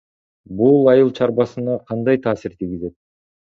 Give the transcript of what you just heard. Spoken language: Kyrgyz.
Бул айыл чарбасына кандай таасир тийгизет?